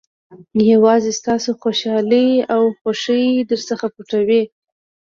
یوازې ستاسو خوشالۍ او خوښۍ درڅخه پټوي.